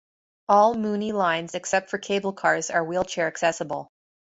All Muni lines except for cable cars are wheelchair accessible.